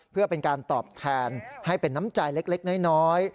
เพื่อเป็นการตอบแทนให้เป็นน้ำใจเล็กน้อย